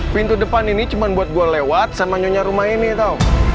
pintu depan ini cuma buat gue lewat sama nyonya rumah ini tau